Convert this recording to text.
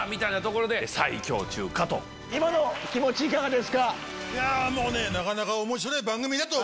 今の気持ちいかがですか？